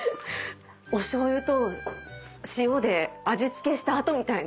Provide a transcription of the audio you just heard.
おしょうゆと塩で味付けした後みたいな。